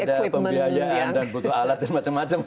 ada pembiayaan dan butuh alat dan macam macam